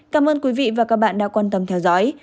cảm ơn quý vị và các bạn đã quan tâm theo dõi